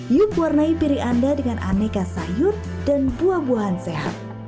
yuk warnai piri anda dengan aneka sayur dan buah buahan sehat